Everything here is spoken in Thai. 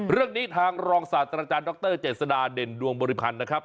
เรื่องนี้ทางรองศาสตราจารย์ดรเจษฎาเด่นดวงบริพันธ์นะครับ